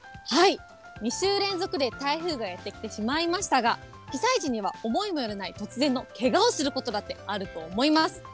２週連続で台風がやって来てしまいましたが、被災地には思いもよらない突然のけがをすることだってあると思います。